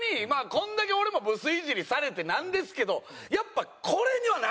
これだけ俺もブスイジリされてなんですけどやっぱこれにはなりたくない。